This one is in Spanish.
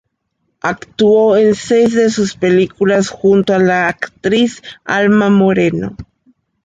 Actuó en seis de sus películas junto a la actriz Alma Moreno.